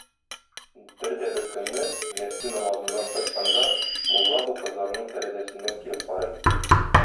Бер дә бер көнне, ястү намазыннан кайтканда, мулла бу кызларның тәрәзәсеннән килеп карый.